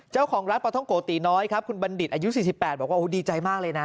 เจ้าของร้านปลาท้องโกติน้อยครับคุณบัณฑิตอายุ๔๘บอกว่าดีใจมากเลยนะ